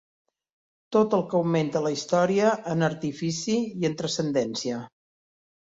Tot el que augmenta la història en artifici i en transcendència.